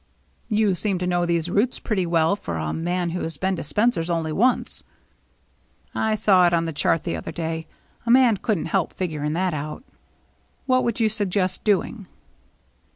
"You seem to know these routes pretty well for a man who has been to Spencer's only once." " I saw it on the chart the other day. A man couldn't help figuring that out." 246 THE MERRY ANNE " What would you suggest doing?